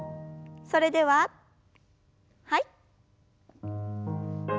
それでははい。